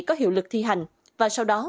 có hiệu lực thi hành và sau đó